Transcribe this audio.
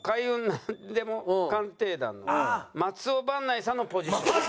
なんでも鑑定団』の松尾伴内さんのポジション。